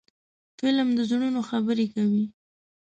فلم د زړونو خبرې کوي